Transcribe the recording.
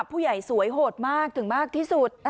ผู้ใหญ่สวยโหดมากถึงมากที่สุด